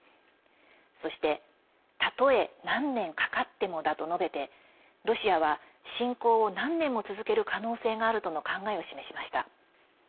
そして、たとえ何年かかってもだと述べてロシアは、侵攻を何年も続ける可能性があるとの考えを示しました。